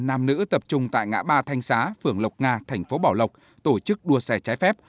nam nữ tập trung tại ngã ba thanh xá phường lộc nga thành phố bảo lộc tổ chức đua xe trái phép